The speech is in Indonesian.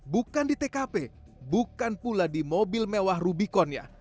bukan di tkp bukan pula di mobil mewah rubiconnya